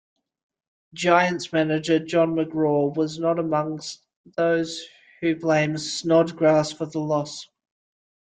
Giants manager John McGraw was not among those who blamed Snodgrass for the loss.